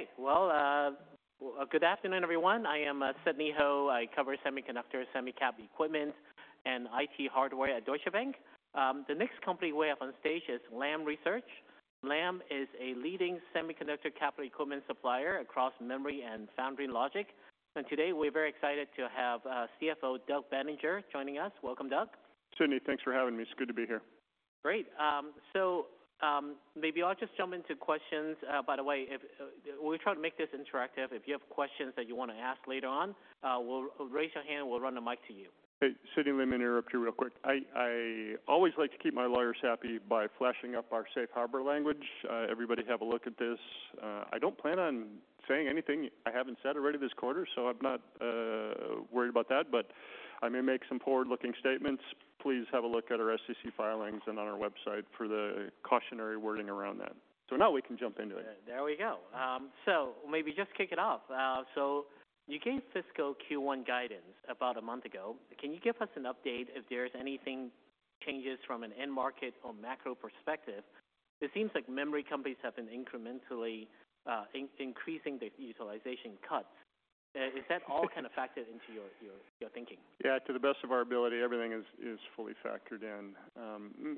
Okay, well, good afternoon, everyone. I am Sidney Ho. I cover semiconductor, semi-cap equipment, and IT hardware at Deutsche Bank. The next company we have on stage is Lam Research. Lam is a leading semiconductor capital equipment supplier across memory and foundry logic, and today we're very excited to have CFO Doug Bettinger joining us. Welcome, Doug. Sidney, thanks for having me. It's good to be here. Great. Maybe I'll just jump into questions. By the way, we'll try to make this interactive. If you have questions that you want to ask later on, well, raise your hand, and we'll run the mic to you. Hey, Sidney, let me interrupt you real quick. I always like to keep my lawyers happy by flashing up our safe harbor language. Everybody have a look at this. I don't plan on saying anything I haven't said already this quarter, so I'm not worried about that, but I may make some forward-looking statements. Please have a look at our SEC filings and on our website for the cautionary wording around that. So now we can jump into it. There we go. So maybe just kick it off. So you gave fiscal Q1 guidance about a month ago. Can you give us an update if there's anything changes from an end market or macro perspective? It seems like memory companies have been incrementally increasing the utilization cuts. Is that all kind of factored into your thinking? Yeah, to the best of our ability, everything is fully factored in.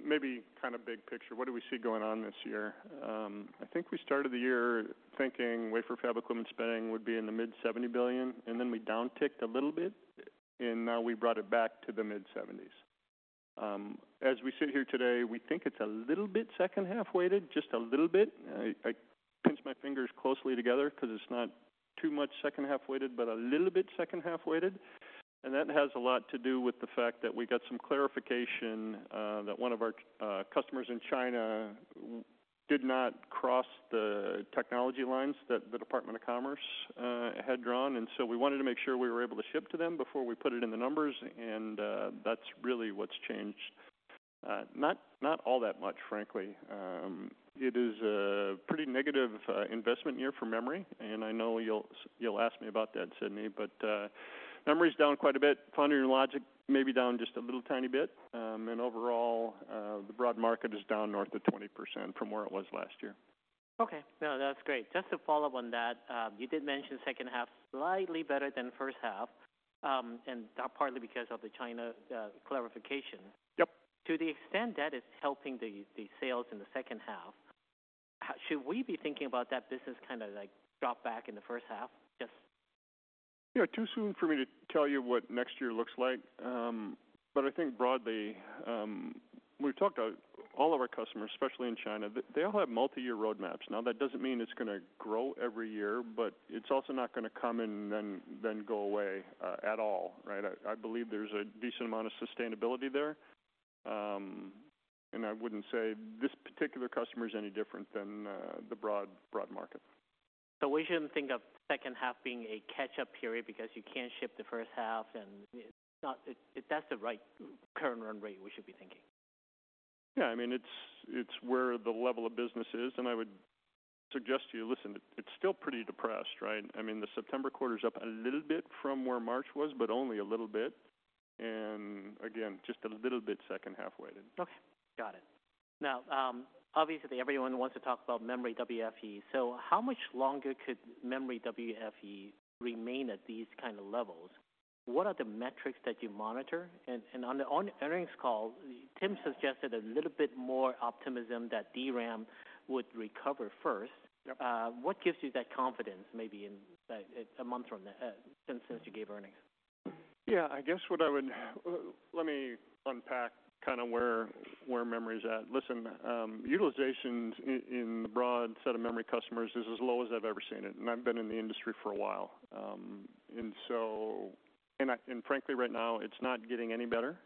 Maybe kind of big picture, what do we see going on this year? I think we started the year thinking wafer fab equipment spending would be in the mid-$70 billion, and then we downticked a little bit, and now we brought it back to the mid-$70s. As we sit here today, we think it's a little bit second-half weighted, just a little bit. I pinch my fingers closely together because it's not too much second-half weighted, but a little bit second-half weighted. And that has a lot to do with the fact that we got some clarification that one of our customers in China did not cross the technology lines that the Department of Commerce had drawn. We wanted to make sure we were able to ship to them before we put it in the numbers, and that's really what's changed. Not all that much, frankly. It is a pretty negative investment year for memory, and I know you'll ask me about that, Sidney, but memory is down quite a bit. Foundry and logic, maybe down just a little tiny bit. Overall, the broad market is down north of 20% from where it was last year. Okay. No, that's great. Just to follow up on that, you did mention second half, slightly better than first half, and that partly because of the China, clarification. Yep. To the extent that is helping the sales in the second half, how should we be thinking about that business kind of like drop back in the first half? Yes. You know, too soon for me to tell you what next year looks like. But I think broadly, we've talked to all of our customers, especially in China, they, they all have multi-year roadmaps. Now, that doesn't mean it's going to grow every year, but it's also not going to come and then, then go away, at all, right? I, I believe there's a decent amount of sustainability there. And I wouldn't say this particular customer is any different than, the broad, broad market. We shouldn't think of second half being a catch-up period because you can't ship the first half, and it's not—if that's the right current run rate, we should be thinking. Yeah, I mean, it's, it's where the level of business is, and I would suggest to you, listen, it's still pretty depressed, right? I mean, the September quarter is up a little bit from where March was, but only a little bit. And again, just a little bit second-half weighted. Okay. Got it. Now, obviously, everyone wants to talk about Memory WFE. So how much longer could Memory WFE remain at these kind of levels? What are the metrics that you monitor? And on the earnings call, Tim suggested a little bit more optimism that DRAM would recover first. Yep. What gives you that confidence, maybe in a month from now, since you gave earnings? Yeah, I guess what I would let me unpack kind of where, where memory is at. Listen, utilizations in, in the broad set of memory customers is as low as I've ever seen it, and I've been in the industry for a while. And so frankly, right now, it's not getting any better.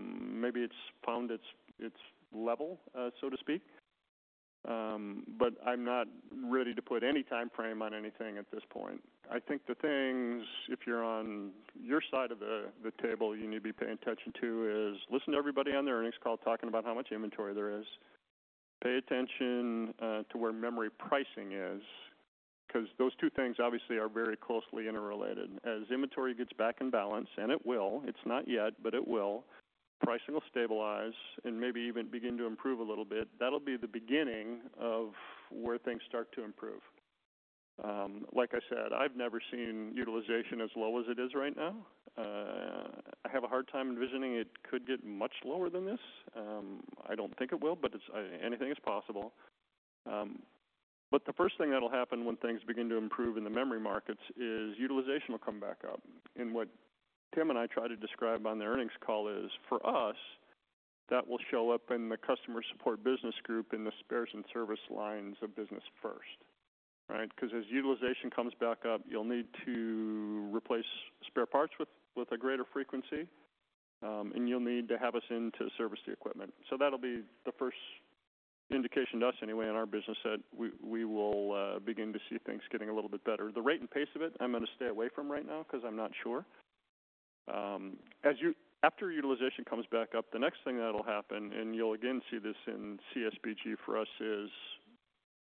Maybe it's found its, its level, so to speak. But I'm not ready to put any time frame on anything at this point. I think the things, if you're on your side of the, the table, you need to be paying attention to is, listen to everybody on the earnings call talking about how much inventory there is. Pay attention to where memory pricing is, because those two things obviously are very closely interrelated. As inventory gets back in balance, and it will, it's not yet, but it will, pricing will stabilize and maybe even begin to improve a little bit. That'll be the beginning of where things start to improve. Like I said, I've never seen utilization as low as it is right now. I have a hard time envisioning it could get much lower than this. I don't think it will, but it's, anything is possible. But the first thing that'll happen when things begin to improve in the memory markets is utilization will come back up. And what Tim and I tried to describe on the earnings call is, for us, that will show up in the customer support business group, in the spares and service lines of business first, right? Because as utilization comes back up, you'll need to replace spare parts with a greater frequency, and you'll need to have us in to service the equipment. So that'll be the first indication to us anyway, in our business, that we will begin to see things getting a little bit better. The rate and pace of it, I'm going to stay away from right now because I'm not sure. After utilization comes back up, the next thing that'll happen, and you'll again see this in CSBG for us, is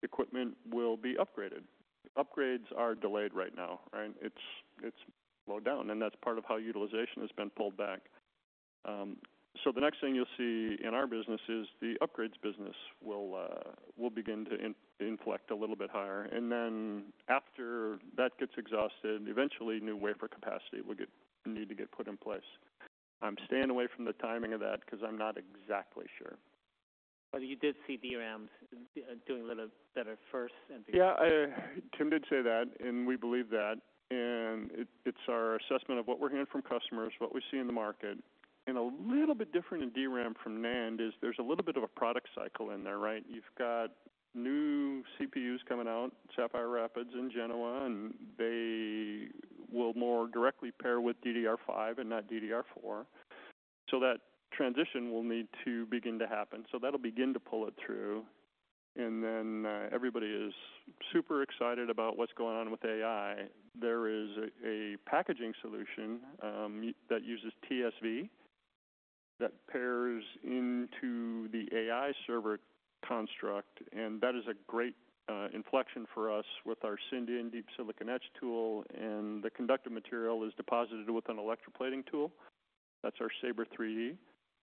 equipment will be upgraded. Upgrades are delayed right now, right? It's low down, and that's part of how utilization has been pulled back. So the next thing you'll see in our business is the upgrades business will begin to inflect a little bit higher, and then after that gets exhausted, eventually new wafer capacity will need to get put in place. I'm staying away from the timing of that because I'm not exactly sure. But you did see DRAM doing a little better first and- Yeah, Tim did say that, and we believe that. And it's our assessment of what we're hearing from customers, what we see in the market. And a little bit different in DRAM from NAND is there's a little bit of a product cycle in there, right? You've got new CPUs coming out, Sapphire Rapids and Genoa, and they will more directly pair with DDR5 and not DDR4. So that transition will need to begin to happen, so that'll begin to pull it through. And then, everybody is super excited about what's going on with AI. There is a packaging solution that uses TSV, that pairs into the AI server construct, and that is a great inflection for us with our Syndion and Deep Silicon Etch tool. And the conductive material is deposited with an electroplating tool. That's our SABRE 3D.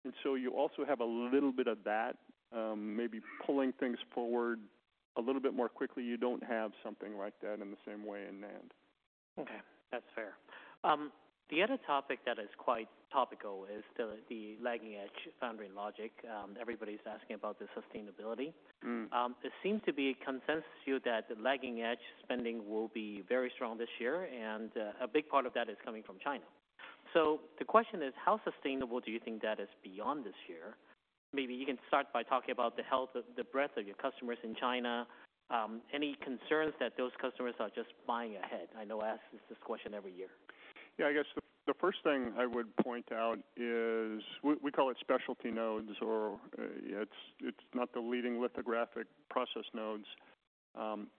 And so you also have a little bit of that, maybe pulling things forward a little bit more quickly. You don't have something like that in the same way in NAND. Okay, that's fair. The other topic that is quite topical is the lagging-edge foundry logic. Everybody's asking about the sustainability. Mm. There seems to be a consensus view that the lagging-edge spending will be very strong this year, and a big part of that is coming from China. So the question is: How sustainable do you think that is beyond this year? Maybe you can start by talking about the health of the breadth of your customers in China. Any concerns that those customers are just buying ahead? I know I ask this, this question every year. Yeah, I guess the first thing I would point out is we call it specialty nodes, or it's not the leading lithographic process nodes.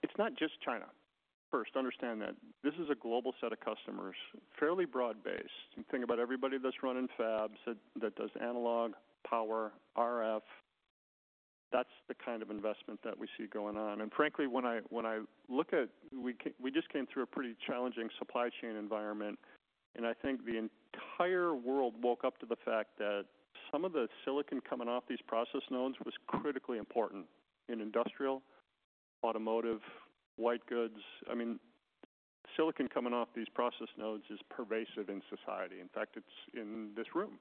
It's not just China. First, understand that this is a global set of customers, fairly broad-based. You think about everybody that's running fabs that does analog, power, RF. That's the kind of investment that we see going on. And frankly, when I look at... We just came through a pretty challenging supply chain environment, and I think the entire world woke up to the fact that some of the silicon coming off these process nodes was critically important in industrial, automotive, white goods. I mean, silicon coming off these process nodes is pervasive in society. In fact, it's in this room,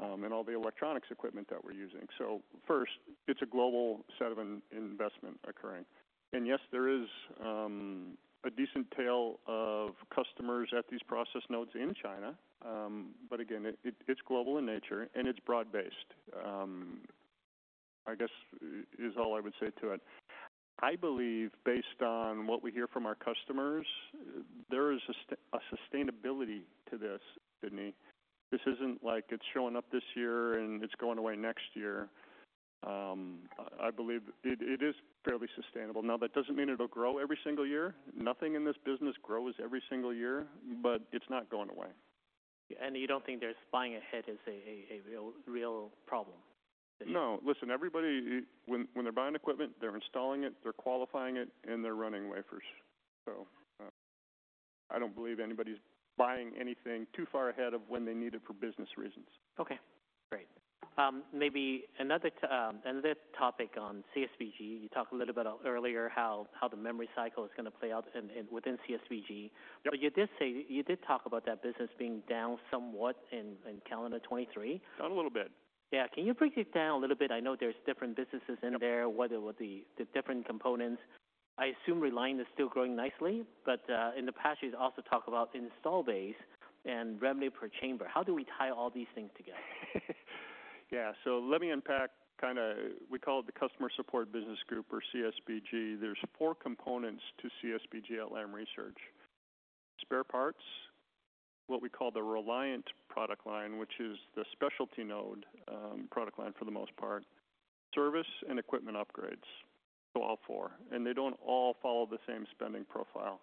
and all the electronics equipment that we're using. So first, it's a global set of an investment occurring. And yes, there is a decent tail of customers at these process nodes in China, but again, it, it's global in nature, and it's broad-based. I guess is all I would say to it. I believe, based on what we hear from our customers, there is a sustainability to this, Sidney. This isn't like it's showing up this year, and it's going away next year. I believe it is fairly sustainable. Now, that doesn't mean it'll grow every single year. Nothing in this business grows every single year, but it's not going away. You don't think there's buying ahead is a real, real problem? No. Listen, everybody, when, when they're buying equipment, they're installing it, they're qualifying it, and they're running wafers. So, I don't believe anybody's buying anything too far ahead of when they need it for business reasons. Okay, great. Maybe another topic on CSBG. You talked a little bit about earlier how the memory cycle is going to play out within CSBG. Yep. But you did say, you did talk about that business being down somewhat in calendar 2023. Down a little bit. Yeah. Can you break it down a little bit? I know there's different businesses in there, what are the different components. I assume Reliant is still growing nicely, but in the past, you also talk about installed base and revenue per chamber. How do we tie all these things together? Yeah. So let me unpack kinda... We call it the Customer Support Business Group, or CSBG. There's four components to CSBG at Lam Research: spare parts, what we call the Reliant product line, which is the specialty node, product line for the most part, service, and equipment upgrades. So all four, and they don't all follow the same spending profile.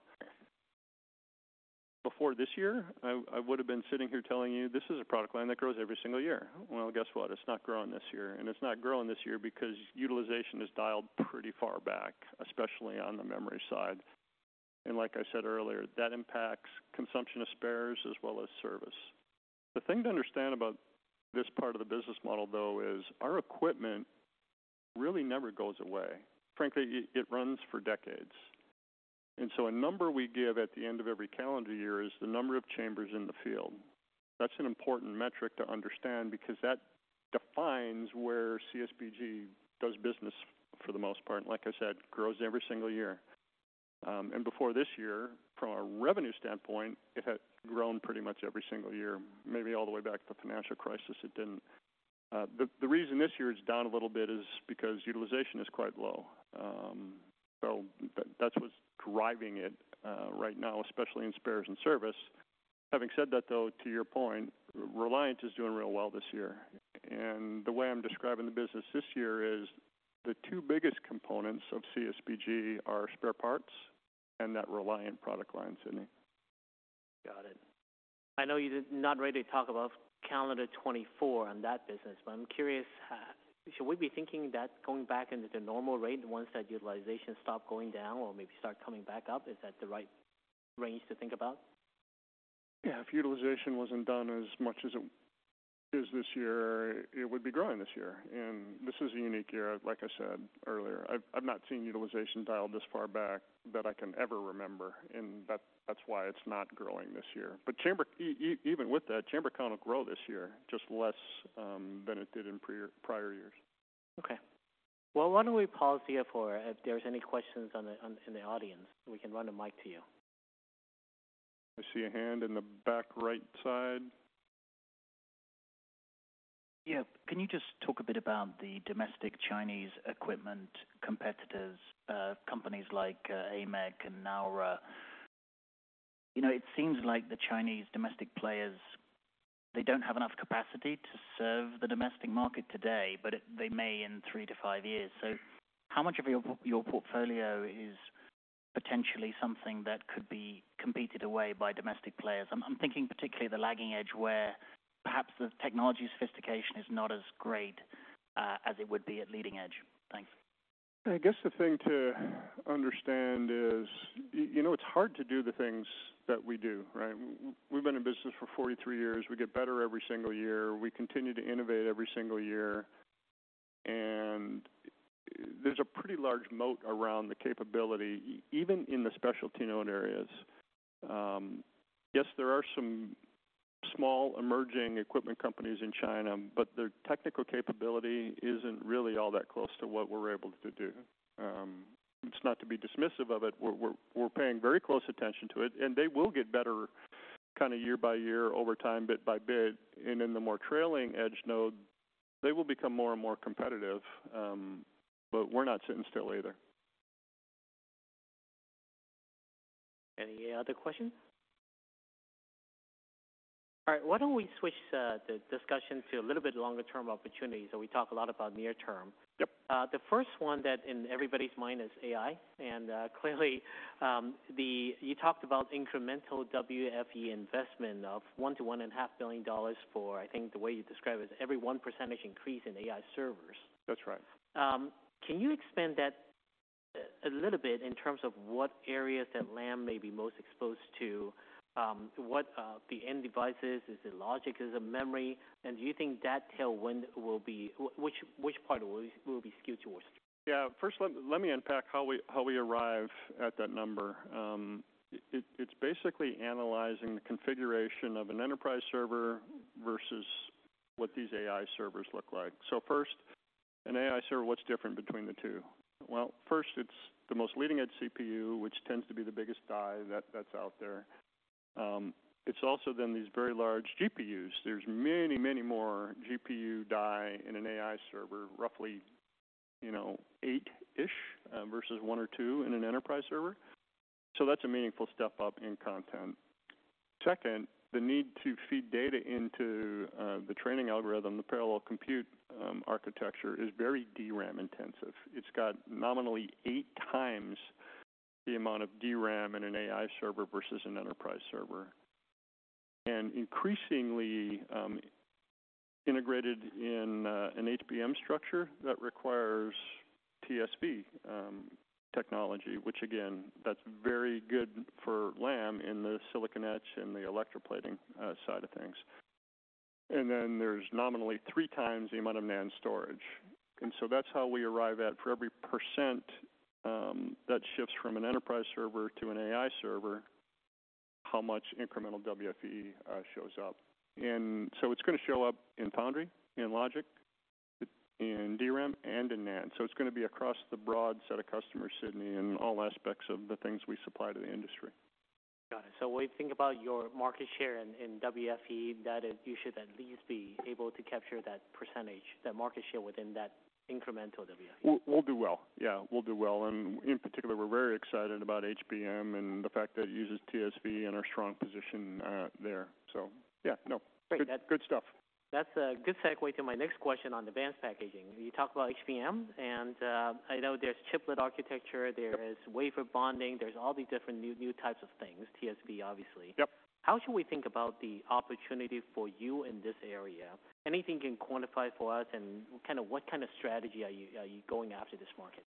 Before this year, I, I would've been sitting here telling you, "This is a product line that grows every single year." Well, guess what? It's not growing this year, and it's not growing this year because utilization is dialed pretty far back, especially on the memory side. And like I said earlier, that impacts consumption of spares as well as service. The thing to understand about this part of the business model, though, is our equipment really never goes away. Frankly, it, it runs for decades. So a number we give at the end of every calendar year is the number of chambers in the field. That's an important metric to understand because that defines where CSBG does business for the most part. Like I said, grows every single year. And before this year, from a revenue standpoint, it had grown pretty much every single year, maybe all the way back to the financial crisis. It didn't. The reason this year is down a little bit is because utilization is quite low. So that's what's driving it right now, especially in spares and service. Having said that, though, to your point, Reliant is doing real well this year, and the way I'm describing the business this year is: the two biggest components of CSBG are spare parts and that Reliant product line, Sidney. Got it. I know you're not ready to talk about calendar 2024 on that business, but I'm curious. Should we be thinking that going back into the normal rate once that utilization stop going down or maybe start coming back up is that the right range to think about? Yeah, if utilization wasn't done as much as it is this year, it would be growing this year, and this is a unique year. Like I said earlier, I've not seen utilization dialed this far back that I can ever remember, and that's why it's not growing this year. But chamber, even with that, chamber count will grow this year, just less than it did in prior years. Okay. Well, why don't we pause here for, if there's any questions in the audience, we can run a mic to you. I see a hand in the back right side. Yeah. Can you just talk a bit about the domestic Chinese equipment competitors, companies like AMEC and Naura? You know, it seems like the Chinese domestic players, they don't have enough capacity to serve the domestic market today, but it, they may in three to five years. So how much of your, your portfolio is potentially something that could be competed away by domestic players? I'm, I'm thinking particularly the lagging edge, where perhaps the technology sophistication is not as great as it would be at leading edge. Thanks. I guess the thing to understand is, you know, it's hard to do the things that we do, right? We've been in business for 43 years. We get better every single year. We continue to innovate every single year, and there's a pretty large moat around the capability, even in the specialty node areas. Yes, there are some small emerging equipment companies in China, but their technical capability isn't really all that close to what we're able to do. It's not to be dismissive of it. We're paying very close attention to it, and they will get better kind of year by year, over time, bit by bit. And in the more trailing edge node, they will become more and more competitive, but we're not sitting still either. Any other questions? All right. Why don't we switch the discussion to a little bit longer-term opportunities, so we talk a lot about near term. Yep. The first one that in everybody's mind is AI, and, clearly, you talked about incremental WFE investment of $1 billion-$1.5 billion for, I think the way you describe it, every 1% increase in AI servers. That's right. Can you expand that a little bit in terms of what areas that Lam may be most exposed to, what the end devices, is it logic? Is it memory? And do you think that tailwind will be which part will be skewed towards? Yeah. First, let me unpack how we arrive at that number. It's basically analyzing the configuration of an enterprise server versus what these AI servers look like. So first, an AI server, what's different between the two? Well, first, it's the most leading-edge CPU, which tends to be the biggest die that's out there. It's also then these very large GPUs. There's many, many more GPU die in an AI server, roughly, you know, eight-ish versus one or two in an enterprise server. So that's a meaningful step up in content. Second, the need to feed data into the training algorithm, the parallel compute architecture, is very DRAM-intensive. It's got nominally eight times the amount of DRAM in an AI server versus an enterprise server. And increasingly, integrated in an HBM structure that requires TSV technology, which again, that's very good for Lam in the silicon etch and the electroplating side of things. And then there's nominally three times the amount of NAND storage, and so that's how we arrive at, for every % that shifts from an enterprise server to an AI server, how much incremental WFE shows up. And so it's going to show up in foundry, in logic, in DRAM, and in NAND. So it's going to be across the broad set of customers, Sidney, in all aspects of the things we supply to the industry. Got it. So when you think about your market share in WFE, that is, you should at least be able to capture that percentage, that market share within that incremental WFE. We'll do well. Yeah, we'll do well, and in particular, we're very excited about HBM and the fact that it uses TSV and our strong position there. So, yeah, no- Great. Good stuff. That's a good segue to my next question on advanced packaging. You talked about HBM, and I know there's chiplet architecture, there is wafer bonding, there's all these different new, new types of things. TSV, obviously. Yep. How should we think about the opportunity for you in this area? Anything you can quantify for us, and kind of what kind of strategy are you going after this market?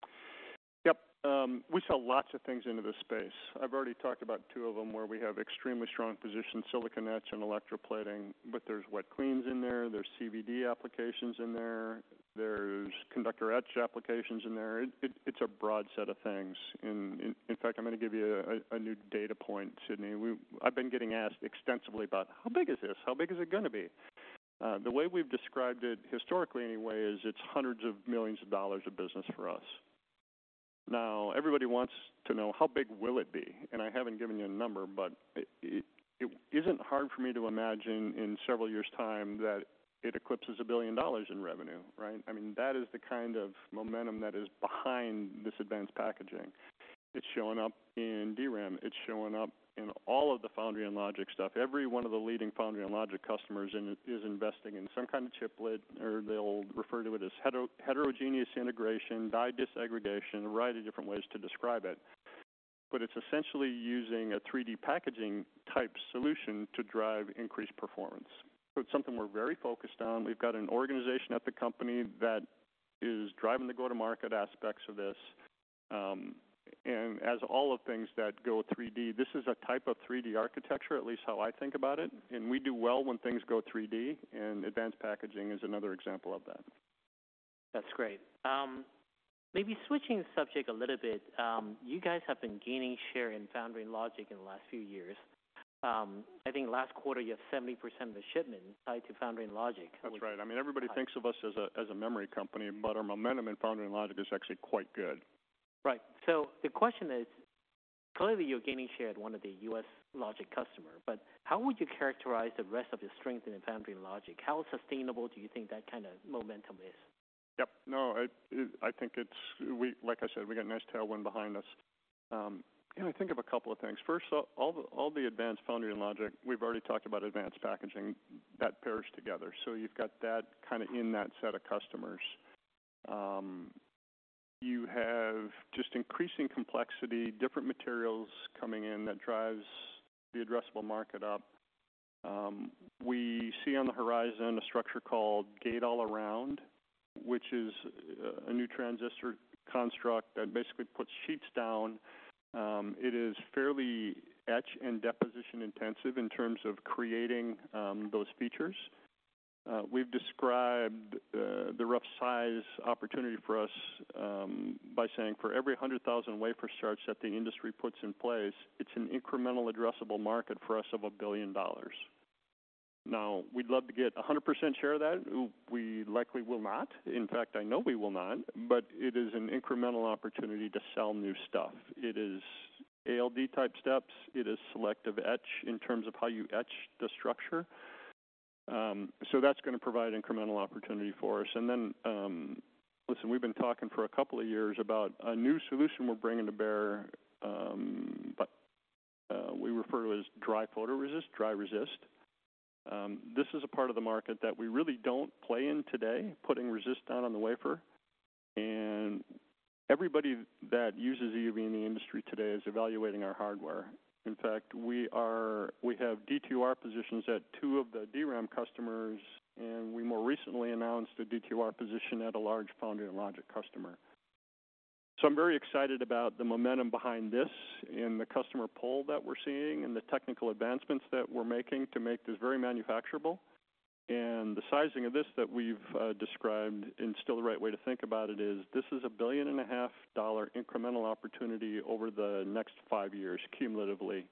Yep. We sell lots of things into this space. I've already talked about two of them, where we have extremely strong position, silicon etch and electroplating, but there's Wet Cleans in there, there's CVD applications in there, there's Conductor Etch applications in there. It, it's a broad set of things. In fact, I'm going to give you a new data point, Sidney. I've been getting asked extensively about: How big is this? How big is it going to be? The way we've described it historically, anyway, is it's $hundreds of millions of business for us. Now, everybody wants to know how big will it be, and I haven't given you a number, but it isn't hard for me to imagine in several years' time that it eclipses $1 billion in revenue, right? I mean, that is the kind of momentum that is behind this advanced packaging. It's showing up in DRAM. It's showing up in all of the foundry and logic stuff. Every one of the leading foundry and logic customers is investing in some kind of chiplet, or they'll refer to it as heterogeneous integration, die disaggregation, a variety of different ways to describe it. But it's essentially using a 3D packaging type solution to drive increased performance. So it's something we're very focused on. We've got an organization at the company that is driving the go-to-market aspects of this. And as all the things that go 3D, this is a type of 3D architecture, at least how I think about it, and we do well when things go 3D, and advanced packaging is another example of that. That's great. Maybe switching the subject a little bit, you guys have been gaining share in foundry and logic in the last few years. I think last quarter, you had 70% of the shipment tied to foundry and logic. That's right. I mean, everybody thinks of us as a memory company, but our momentum in foundry and logic is actually quite good. Right. So the question is: clearly, you're gaining share at one of the U.S. logic customer, but how would you characterize the rest of your strength in the foundry and logic? How sustainable do you think that kind of momentum is? Yep. No, it. I think it's we like I said, we got a nice tailwind behind us. And I think of a couple of things. First, all the advanced foundry and logic, we've already talked about advanced packaging, that pairs together. So you've got that kind of in that set of customers. You have just increasing complexity, different materials coming in, that drives the addressable market up. We see on the horizon a structure called Gate-All-Around, which is a new transistor construct that basically puts sheets down. It is fairly etch and deposition intensive in terms of creating those features. We've described the rough size opportunity for us by saying: for every 100,000 wafer starts that the industry puts in place, it's an incremental addressable market for us of $1 billion. Now, we'd love to get 100% share of that. We likely will not. In fact, I know we will not, but it is an incremental opportunity to sell new stuff. It is ALD-type steps. It is Selective Etch in terms of how you etch the structure. So that's going to provide incremental opportunity for us. And then, listen, we've been talking for a couple of years about a new solution we're bringing to bear, but we refer to as Dry Photoresist, Dry Resist. This is a part of the market that we really don't play in today, putting resist down on the wafer, and everybody that uses EUV in the industry today is evaluating our hardware. In fact, we have DQR positions at two of the DRAM customers, and we more recently announced a DQR position at a large foundry and logic customer. So I'm very excited about the momentum behind this and the customer pull that we're seeing and the technical advancements that we're making to make this very manufacturable. And the sizing of this that we've described, and still the right way to think about it, is this is a $1.5 billion incremental opportunity over the next five years, cumulatively,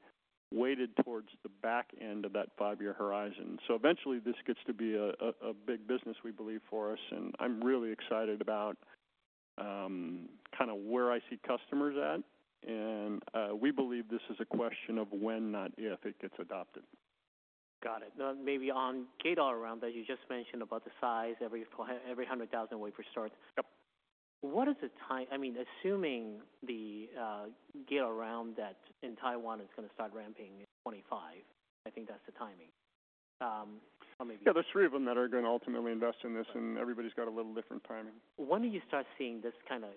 weighted towards the back end of that five-year horizon. So eventually, this gets to be a big business, we believe, for us, and I'm really excited about kind of where I see customers at. And we believe this is a question of when, not if, it gets adopted. Got it. Now, maybe on Gate-All-Around, that you just mentioned about the size, every 100,000 wafer starts. Yep. What is the time... I mean, assuming the Gate-All-Around that in Taiwan is going to start ramping in 25, I think that's the timing, or maybe- Yeah, there's three of them that are going to ultimately invest in this, and everybody's got a little different timing. When do you start seeing this kind of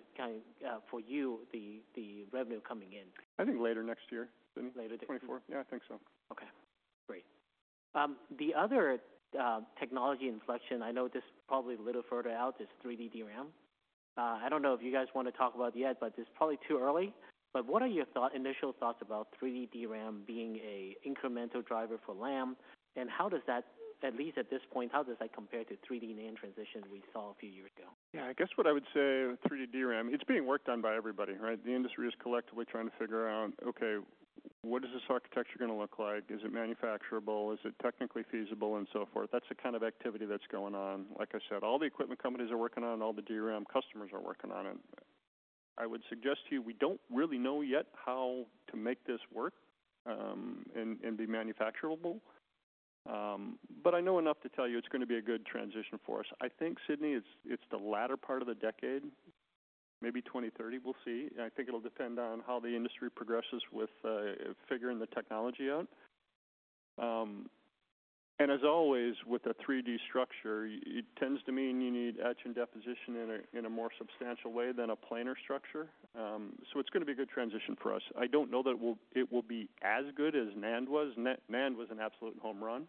revenue coming in for you? I think later next year. Later this- 24. Yeah, I think so. Okay, great. The other technology inflection, I know this is probably a little further out, is 3D DRAM. I don't know if you guys want to talk about it yet, but it's probably too early. But what are your thought, initial thoughts about 3D DRAM being a incremental driver for Lam, and how does that, at least at this point, how does that compare to 3D NAND transition we saw a few years ago? Yeah, I guess what I would say, 3D DRAM, it's being worked on by everybody, right? The industry is collectively trying to figure out, okay, what is this architecture going to look like? Is it manufacturable? Is it technically feasible, and so forth. That's the kind of activity that's going on. Like I said, all the equipment companies are working on it, all the DRAM customers are working on it. I would suggest to you, we don't really know yet how to make this work, and be manufacturable. But I know enough to tell you it's going to be a good transition for us. I think, Sidney, it's the latter part of the decade, maybe 2030, we'll see. I think it'll depend on how the industry progresses with figuring the technology out. And as always, with a 3D structure, it tends to mean you need etch and deposition in a more substantial way than a planar structure. So it's going to be a good transition for us. I don't know that it will be as good as NAND was. NAND, NAND was an absolute home run,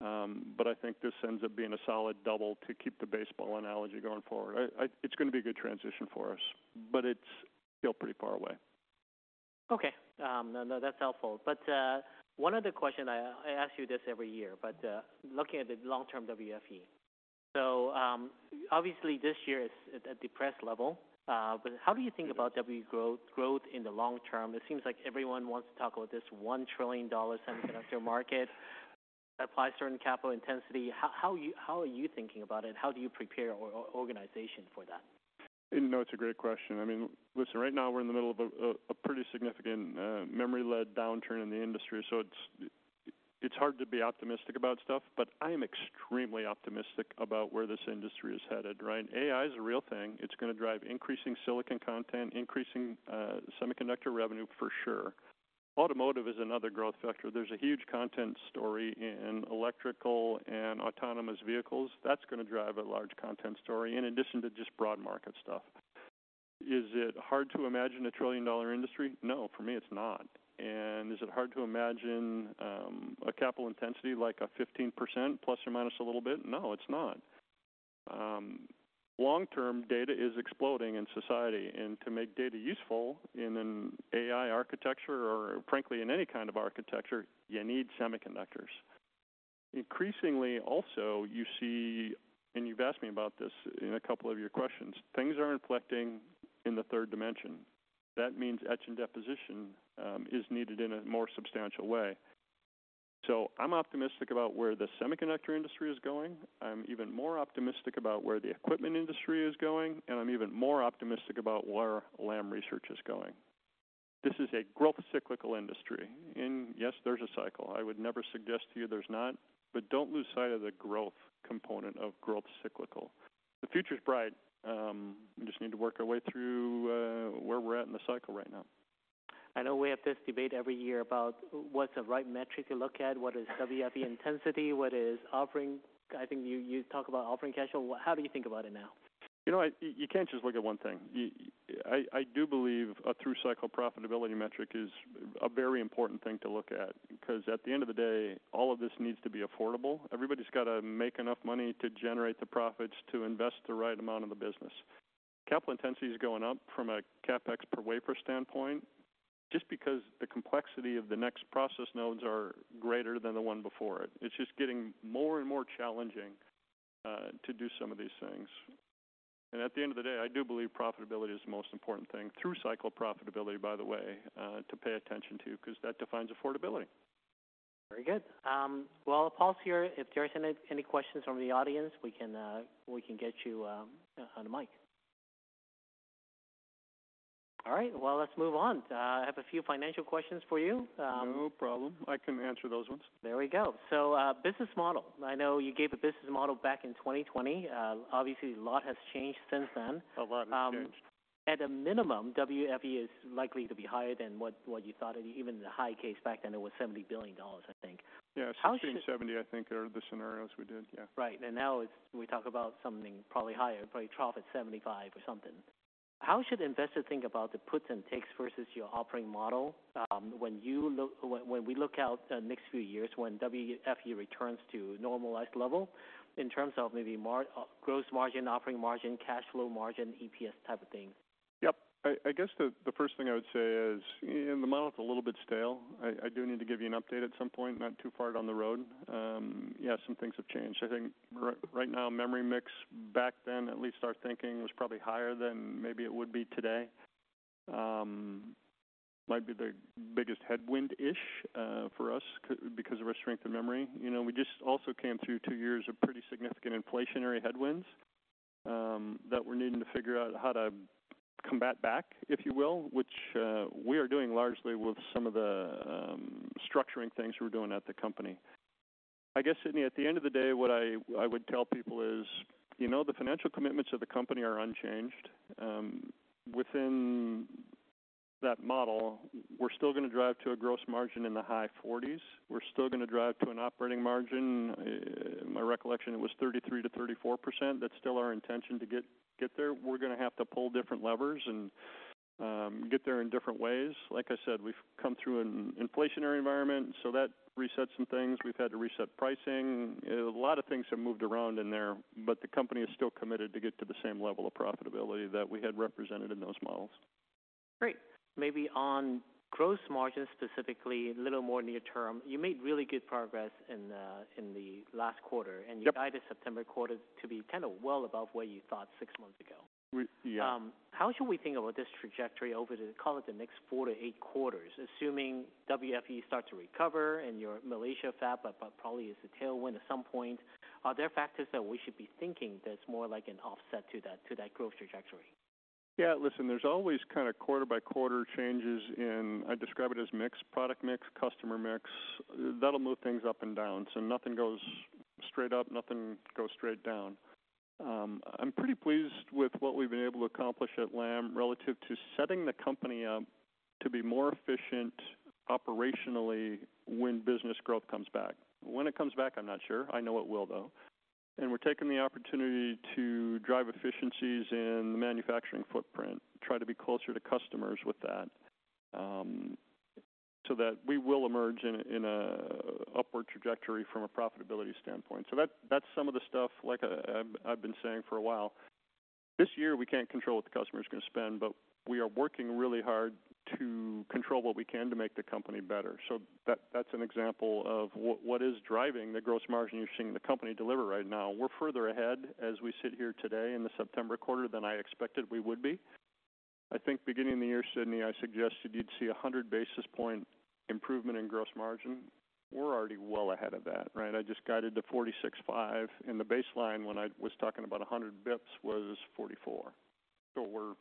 but I think this ends up being a solid double, to keep the baseball analogy going forward. It's going to be a good transition for us, but it's still pretty far away. Okay, no, no, that's helpful. But, one other question, I ask you this every year, but, looking at the long-term WFE. So, obviously, this year is at a depressed level, but how do you think about WFE growth, growth in the long term? It seems like everyone wants to talk about this $1 trillion semiconductor market that applies to certain capital intensity. How are you thinking about it, and how do you prepare your organization for that? No, it's a great question. I mean, listen, right now, we're in the middle of a pretty significant memory-led downturn in the industry, so it's hard to be optimistic about stuff, but I am extremely optimistic about where this industry is headed, right? AI is a real thing. It's going to drive increasing silicon content, increasing semiconductor revenue for sure. Automotive is another growth vector. There's a huge content story in electrical and autonomous vehicles. That's going to drive a large content story, in addition to just broad market stuff. Is it hard to imagine a trillion-dollar industry? No, for me, it's not. And is it hard to imagine a capital intensity like a 15%, plus or minus a little bit? No, it's not. Long-term data is exploding in society, and to make data useful in an AI architecture or frankly, in any kind of architecture, you need semiconductors. Increasingly also, you see, and you've asked me about this in a couple of your questions, things are inflecting in the third dimension. That means etch and deposition is needed in a more substantial way. So I'm optimistic about where the semiconductor industry is going. I'm even more optimistic about where the equipment industry is going, and I'm even more optimistic about where Lam Research is going. This is a growth cyclical industry, and yes, there's a cycle. I would never suggest to you there's not, but don't lose sight of the growth component of growth cyclical. The future is bright, we just need to work our way through, where we're at in the cycle right now. I know we have this debate every year about what's the right metric to look at? What is WFE intensity, what is offering? I think you, you talk about offering cash flow. How do you think about it now? You know, you can't just look at one thing. I do believe a through-cycle profitability metric is a very important thing to look at, because at the end of the day, all of this needs to be affordable. Everybody's got to make enough money to generate the profits, to invest the right amount in the business. Capital intensity is going up from a CapEx per wafer standpoint, just because the complexity of the next process nodes are greater than the one before it. It's just getting more and more challenging to do some of these things. At the end of the day, I do believe profitability is the most important thing, through-cycle profitability, by the way, to pay attention to, because that defines affordability. Very good. Well, Paul's here. If there are any questions from the audience, we can get you on the mic. All right, well, let's move on. I have a few financial questions for you. No problem. I can answer those ones. There we go. So, business model. I know you gave a business model back in 2020. Obviously, a lot has changed since then. A lot has changed. At a minimum, WFE is likely to be higher than what you thought, and even the high case back then, it was $70 billion, I think. Yeah. How should- 70, I think, are the scenarios we did. Yeah. Right. And now it's we talk about something probably higher, probably trough at 75 or something. How should investors think about the puts and takes versus your operating model, when you look... When, when we look out the next few years when WFE returns to normalized level, in terms of maybe gross margin, operating margin, cash flow margin, EPS type of thing? Yep. I guess the first thing I would say is, and the model is a little bit stale. I do need to give you an update at some point, not too far down the road. Yeah, some things have changed. I think right now, memory mix back then, at least our thinking, was probably higher than maybe it would be today. Might be the biggest headwind-ish for us because of our strength of memory. You know, we just also came through two years of pretty significant inflationary headwinds that we're needing to figure out how to combat back, if you will, which we are doing largely with some of the structuring things we're doing at the company. I guess, Sidney, at the end of the day, what I, I would tell people is, you know, the financial commitments of the company are unchanged. Within that model, we're still going to drive to a gross margin in the high 40s. We're still going to drive to an operating margin, my recollection, it was 33%-34%. That's still our intention to get, get there. We're going to have to pull different levers and, get there in different ways. Like I said, we've come through an inflationary environment, so that resets some things. We've had to reset pricing. A lot of things have moved around in there, but the company is still committed to get to the same level of profitability that we had represented in those models. Great. Maybe on gross margin, specifically, a little more near term, you made really good progress in the last quarter- Yep. - and you guided September quarter to be kind of well above what you thought six months ago. We-- Yeah. How should we think about this trajectory over the, call it, the next 4-8 quarters, assuming WFE starts to recover and your Malaysia fab probably is a tailwind at some point? Are there factors that we should be thinking that's more like an offset to that, to that growth trajectory? Yeah, listen, there's always kind of quarter-by-quarter changes in. I describe it as mix, product mix, customer mix. That'll move things up and down, so nothing goes straight up, nothing goes straight down. I'm pretty pleased with what we've been able to accomplish at Lam relative to setting the company up to be more efficient operationally when business growth comes back. When it comes back, I'm not sure. I know it will, though. And we're taking the opportunity to drive efficiencies in the manufacturing footprint, try to be closer to customers with that, so that we will emerge in an upward trajectory from a profitability standpoint. So that's some of the stuff like I've been saying for a while. This year, we can't control what the customer is going to spend, but we are working really hard to control what we can to make the company better. So that's an example of what is driving the gross margin you're seeing the company deliver right now. We're further ahead as we sit here today in the September quarter than I expected we would be. I think beginning of the year, Sidney, I suggested you'd see a 100 basis point improvement in gross margin. We're already well ahead of that, right? I just guided the 46.5, and the baseline when I was talking about a 100 basis points was 44. So we're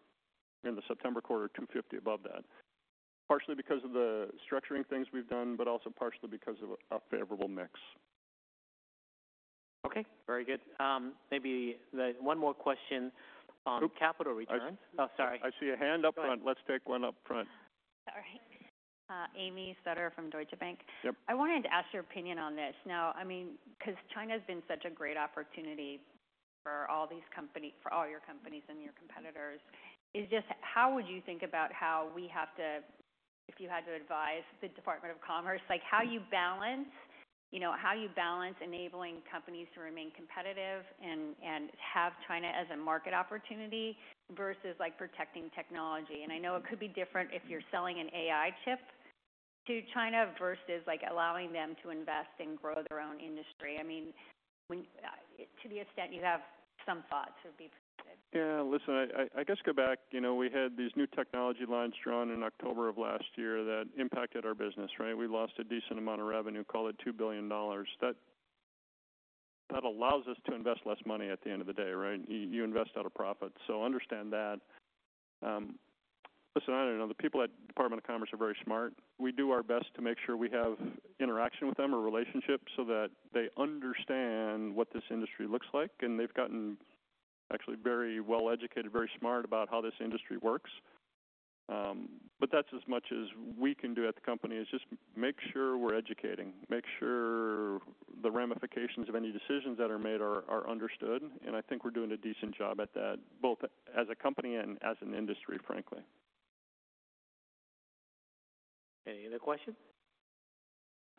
in the September quarter, 250 above that. Partially because of the structuring things we've done, but also partially because of a favorable mix. Okay, very good. Maybe the one more question on capital returns. I- Oh, sorry. I see a hand up front. Let's take one up front. All right. Amy Sutter from Deutsche Bank. Yep. I wanted to ask your opinion on this. Now, I mean, 'cause China's been such a great opportunity for all these company- for all your companies and your competitors. It's just, how would you think about how we have to-- if you had to advise the Department of Commerce, like, how you balance, you know, how you balance enabling companies to remain competitive and, and have China as a market opportunity versus, like, protecting technology? And I know it could be different if you're selling an AI chip to China versus, like, allowing them to invest and grow their own industry. I mean, when, to the extent you have some thoughts would be appreciated. Yeah, listen, I guess go back. You know, we had these new technology lines drawn in October of last year that impacted our business, right? We lost a decent amount of revenue, call it $2 billion. That allows us to invest less money at the end of the day, right? You invest out of profit, so understand that. Listen, I don't know. The people at Department of Commerce are very smart. We do our best to make sure we have interaction with them or relationships so that they understand what this industry looks like, and they've gotten actually very well educated, very smart about how this industry works. But that's as much as we can do at the company, is just make sure we're educating, make sure the ramifications of any decisions that are made are understood, and I think we're doing a decent job at that, both as a company and as an industry, frankly. Any other questions?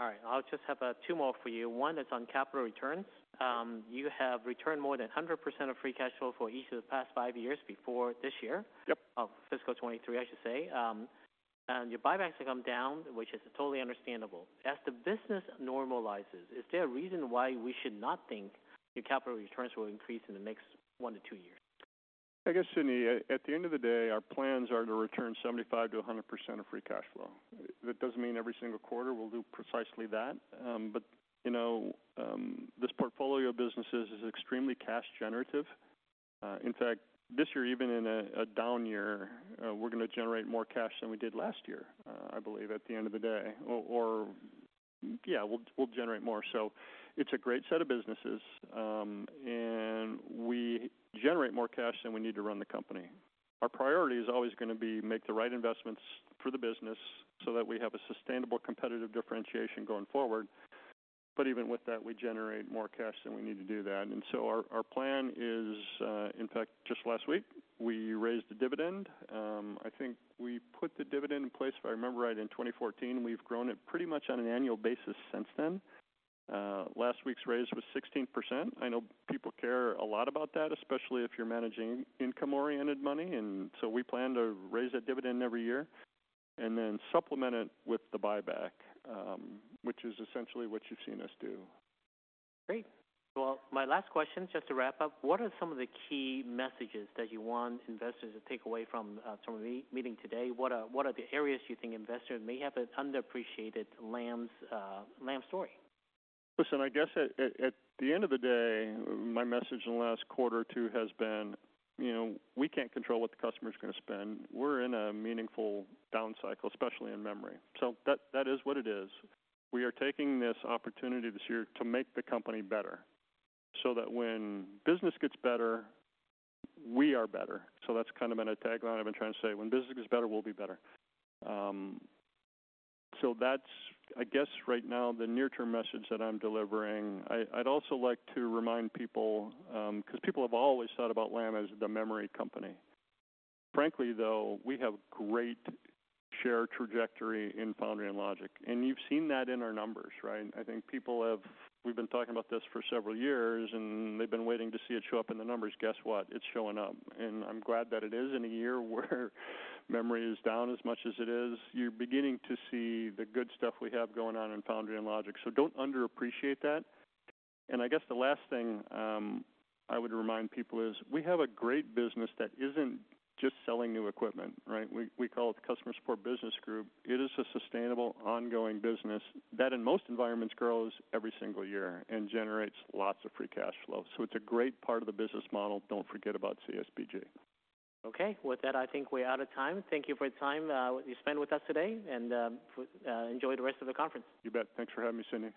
All right, I'll just have two more for you. One is on capital return. You have returned more than 100% of free cash flow for each of the past five years before this year. Yep. Of fiscal 2023, I should say. Your buybacks have come down, which is totally understandable. As the business normalizes, is there a reason why we should not think your capital returns will increase in the next 1-2 years? I guess, Sidney, at the end of the day, our plans are to return 75%-100% of free cash flow. That doesn't mean every single quarter we'll do precisely that. But, you know, this portfolio of businesses is extremely cash generative. In fact, this year, even in a down year, we're going to generate more cash than we did last year, I believe, at the end of the day. Yeah, we'll generate more. So it's a great set of businesses, and we generate more cash than we need to run the company. Our priority is always going to be make the right investments for the business so that we have a sustainable competitive differentiation going forward. But even with that, we generate more cash than we need to do that, and so our plan is, in fact, just last week, we raised the dividend. I think we put the dividend in place, if I remember right, in 2014. We've grown it pretty much on an annual basis since then. Last week's raise was 16%. I know people care a lot about that, especially if you're managing income-oriented money, and so we plan to raise that dividend every year and then supplement it with the buyback, which is essentially what you've seen us do. Great. Well, my last question, just to wrap up, what are some of the key messages that you want investors to take away from, from the meeting today? What are the areas you think investors may have underappreciated Lam's, Lam's story? Listen, I guess at the end of the day, my message in the last quarter or two has been, you know, we can't control what the customer is going to spend. We're in a meaningful down cycle, especially in memory. So that is what it is. We are taking this opportunity this year to make the company better so that when business gets better, we are better. So that's kind of been a tagline I've been trying to say: When business gets better, we'll be better. So that's, I guess, right now, the near-term message that I'm delivering. I'd also like to remind people, because people have always thought about Lam as the memory company. Frankly, though, we have great share trajectory in foundry and logic, and you've seen that in our numbers, right? I think people have. We've been talking about this for several years, and they've been waiting to see it show up in the numbers. Guess what? It's showing up, and I'm glad that it is in a year where memory is down as much as it is. You're beginning to see the good stuff we have going on in foundry and logic. So don't underappreciate that. And I guess the last thing I would remind people is, we have a great business that isn't just selling new equipment, right? We call it the Customer Support Business Group. It is a sustainable, ongoing business that in most environments, grows every single year and generates lots of free cash flow. So it's a great part of the business model. Don't forget about CSBG. Okay. With that, I think we're out of time. Thank you for your time, you spent with us today, and, enjoy the rest of the conference. You bet. Thanks for having me, Sidney.